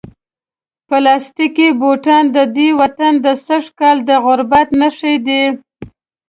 پلاستیکي بوټان د دې وطن د سږکال د غربت نښې دي.